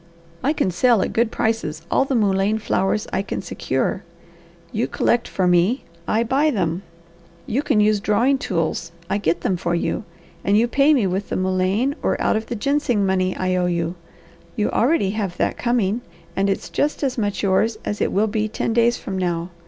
"I can sell at good prices all the mullein flowers I can secure. You collect for me, I buy them. You can use drawing tools; I get them for you, and you pay me with the mullein or out of the ginseng money I owe you. You already have that coming, and it's just as much yours as it will be ten days from now.